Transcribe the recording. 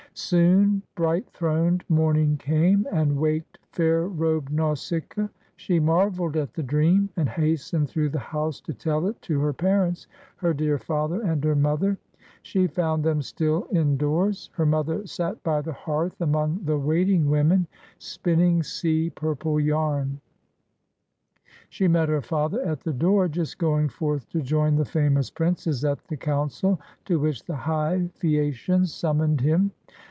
Soon bright throned morning came, and waked fair robed Nausicaa. She marveled at the dream, and has tened through the house to tell it to her parents, her dear father and her mother. She found them still in doors: her mother sat by the hearth among the waiting 24 PRINCESS NAUSICAA AND THE SAILOR women, spinning sea purple yam; she met her father at the door, just going forth to join the famous princes at the council, to which the high Phaeacians summoned him.